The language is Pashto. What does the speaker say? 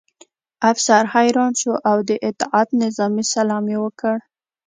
افسر حیران شو او د اطاعت نظامي سلام یې وکړ